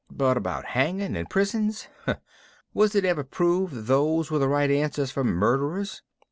But about hanging and prisons was it ever proved those were the right thing for murderers?